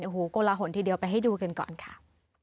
โอ้โหโกลหนทีเดียวไปให้ดูกันก่อนค่ะ